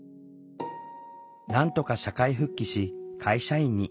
なんとか社会復帰し会社員に。